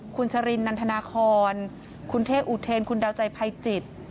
คุณชะลินนันทนาคอนคุณเทอุเทรนคุณเดาใจไพจิต